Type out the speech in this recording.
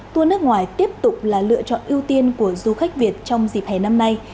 tour nước ngoài tiếp tục là lựa chọn ưu tiên của du khách việt trong dịp hè năm nay